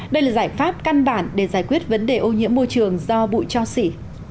đây là giải pháp căn bản để giải quyết vấn đề ô nhiễm môi trường do bụi cho xỉ